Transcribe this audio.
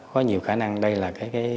có nhiều khả năng đây là cái